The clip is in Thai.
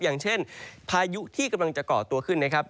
อย่างเช่นพายุที่กำลังจะก่อตัวขึ้นนะครับ